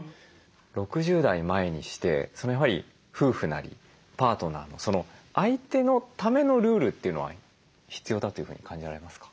６０代前にしてやはり夫婦なりパートナーの相手のためのルールというのは必要だというふうに感じられますか？